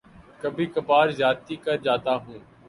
کبھی کبھار زیادتی کر جاتا ہوں